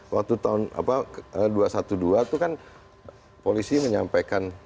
waktu tahun dua ratus dua belas itu kan polisi menyampaikan